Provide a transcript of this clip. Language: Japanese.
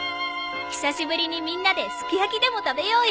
久しぶりにみんなですき焼きでも食べようよ。